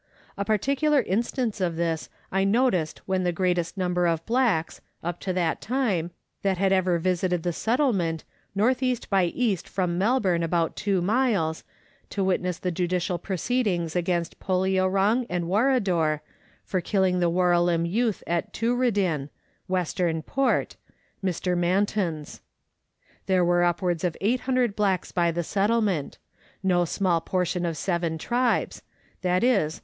A particular instance of this I noticed when the greatest number of blacks (up to that time) that had ever visited the Settlement was encamped N.E. by E. from Melbourne about two miles, to witness the judicial proceedings against Poleorong and Warrador for killing the Warralim youth at Too radin, Western Port (Mr. Manton's). There were upwards of 800 blacks by the Settlement no small portion of seven tribes viz.